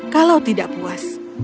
kalau tidak puas